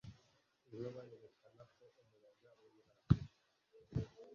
Inkuba yerekana ko umuyaga uri hafi.